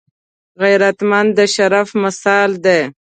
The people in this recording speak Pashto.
غیرتمند د شرف مثال دی